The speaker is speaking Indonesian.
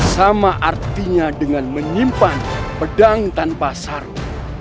sama artinya dengan menyimpan pedang tanpa sarung